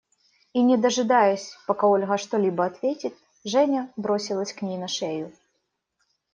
И, не дожидаясь, пока Ольга что-либо ответит, Женя бросилась к ней на шею.